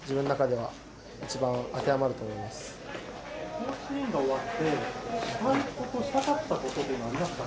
甲子園が終わって、したかったことというのは、ありますか。